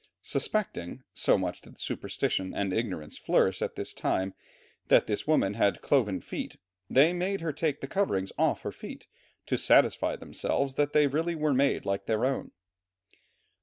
Suspecting, so much did superstition and ignorance flourish at this time, that this woman had cloven feet, they made her take the coverings off her feet, to satisfy themselves that they really were made like their own.